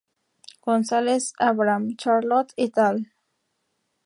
González-Abraham, Charlotte et al.